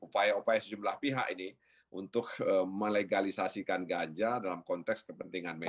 upaya upaya sejumlah pihak ini untuk melegalisasikan ganja dalam konteks kepentingan medis